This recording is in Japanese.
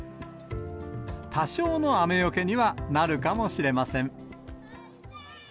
多少の雨よけにはなるかもしれません。